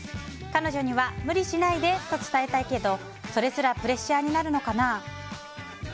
彼女には無理しないでと伝えたいけどそれすらプレッシャーになるのかな。